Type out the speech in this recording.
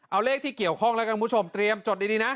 เอาเลขที่เกี่ยวข้องแล้วกันคุณผู้ชมเตรียมจดดีนะ